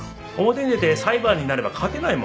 表に出て裁判になれば勝てないもん。